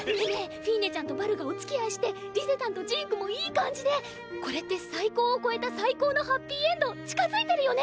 フィーネちゃんとバルがおつきあいしてリゼたんとジークもいい感じでこれって最高を超えた最高のハッピーエンド近づいてるよね？